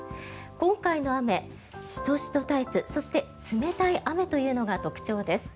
今回の雨、シトシトタイプそして冷たい雨というのが特徴です。